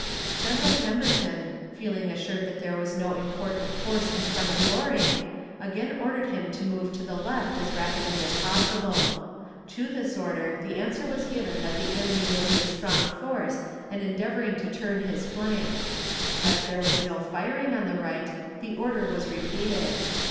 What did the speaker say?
General Pemberton, feeling assured that there was no important force in front of Loring, again ordered him to move to the left as rapidly as possible. To this order, the answer was given that the enemy was in strong force and endeavoring to turn his flank. As there was no firing on the right, the order was repeated.